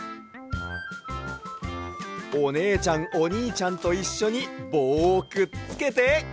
おねえちゃんおにいちゃんといっしょにぼうをくっつけて。